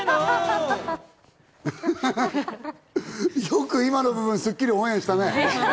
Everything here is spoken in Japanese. よく今の部分『スッキリ』がオンエアしたね。